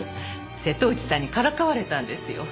瀬戸内さんにからかわれたんですよ。